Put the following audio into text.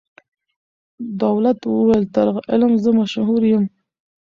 دولت وویل تر علم زه مشهور یم